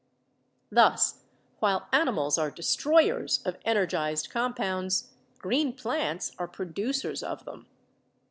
Thus, while animals are destroyers of energized com LIFE PROCESSES 121 pounds, green plants are producers of them.